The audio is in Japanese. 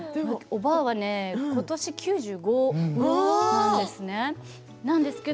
おばあは今年９５なんですね。